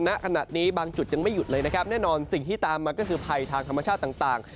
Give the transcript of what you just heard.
ณขณะนี้บางจุดยังไม่หยุดเลยนะครับแน่นอนสิ่งที่ตามมาก็คือภัยทางธรรมชาติต่าง